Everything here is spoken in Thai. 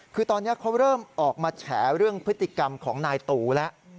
คือตอนนี้เขาเริ่มออกมาแฉเรื่องพฤติกรรมของนายตูแล้ว